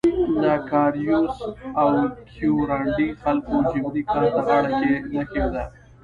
د کارایوس او کیورانډي خلکو جبري کار ته غاړه کې نه ایښوده.